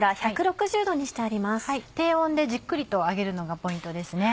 低温でじっくりと揚げるのがポイントですね。